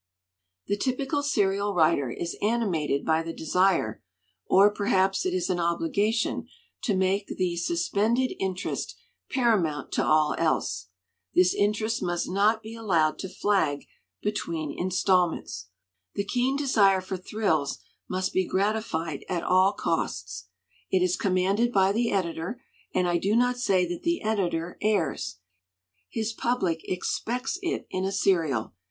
"The typical serial writer is animated by the desire, or perhaps it is an obligation, to make the 'suspended interest' paramount to all else. This interest must not be allowed to flag between instalments. "The keen desire for thrills must be gratified at all costs. It is commanded by the editor and I do not say that the editor errs. His pub lic expects it in a serial.